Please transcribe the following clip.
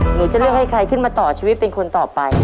หนูจะเลือกให้ใครขึ้นมาต่อชีวิตเป็นคนต่อไป